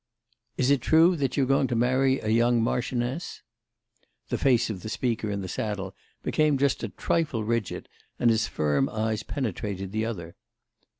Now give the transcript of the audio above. "Is it true that you're going to marry a young marchioness?" The face of the speaker in the saddle became just a trifle rigid, and his firm eyes penetrated the other.